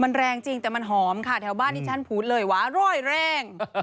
มันแรงจริงแต่มันหอมค่ะแถวบ้านที่ฉันพูดเลยว่าร้อยแรง